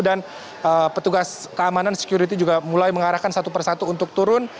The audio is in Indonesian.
dan petugas keamanan security juga mulai mengarahkan satu persatu untuk turun